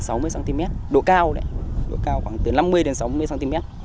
đến sáu mươi cm độ cao đấy độ cao khoảng từ năm mươi đến sáu mươi cm